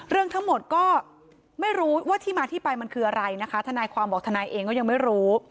เรื่องทั้งหมดก็ไม่รู้ว่าที่มาที่ไปมันคืออะไรนะคะทนายความบอกทนายเองก็ยังไม่รู้